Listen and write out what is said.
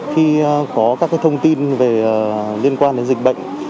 khi có các thông tin về liên quan đến dịch bệnh